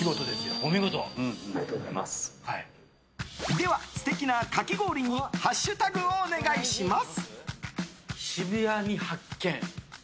では、素敵なかき氷にハッシュタグをお願いします。